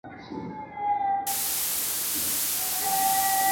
دا نبات د پوستکي د روڼوالي لپاره ډېر اغېزناک دی.